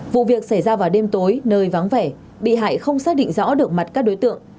vụ việc xảy ra vào đêm tối nơi vắng vẻ bị hại không xác định rõ được mặt các đối tượng